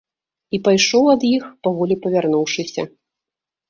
І пайшоў ад іх, паволі павярнуўшыся.